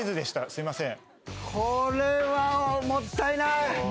すいません。